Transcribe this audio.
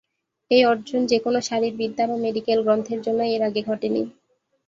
এই অর্জন যেকোনো শারীরবিদ্যা বা মেডিকেল গ্রন্থের জন্য এর আগে ঘটে নি।